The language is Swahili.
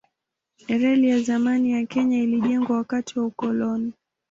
Reli ya zamani ya Kenya ilijengwa wakati wa ukoloni.